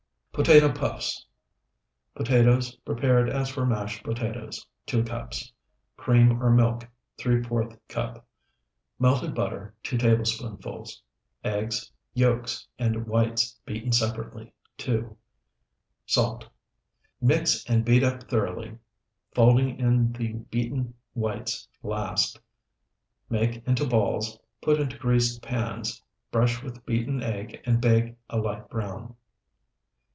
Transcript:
POTATO PUFFS Potatoes, prepared as for mashed potatoes, 2 cups. Cream or milk, ¾ cup. Melted butter, 2 tablespoonfuls. Eggs, yolks and whites beaten separately, 2. Salt. Mix and beat up thoroughly, folding in the beaten whites last. Make into balls, put into greased pans, brush with beaten egg, and bake a light brown.